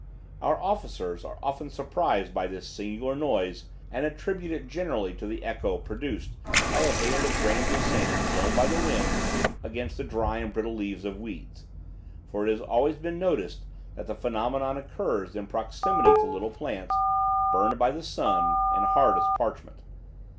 Our officers are often surprised by this singular noise and attribute it generally to the echo produced by a hail of grains of sand blown by the wind against the dry and brittle leaves of weeds, for it has always been noticed that the phenomenon occurs in proximity to little plants burned by the sun and hard as parchment.